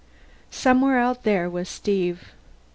Somewhere out there was Steve.